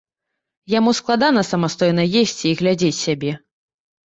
Яму складана самастойна есці і глядзець сябе.